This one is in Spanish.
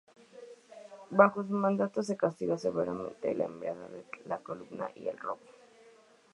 Bajo su mandato se castigó severamente la embriaguez, la calumnia y el robo.